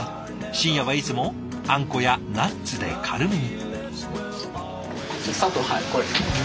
深夜はいつもあんこやナッツで軽めに。